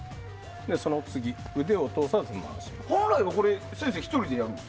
その次、腕を通さずに回します。